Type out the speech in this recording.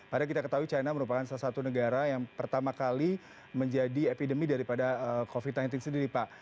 padahal kita ketahui china merupakan salah satu negara yang pertama kali menjadi epidemi daripada covid sembilan belas sendiri pak